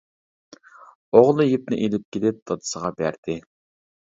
ئوغلى يىپنى ئېلىپ كېلىپ دادىسىغا بەردى.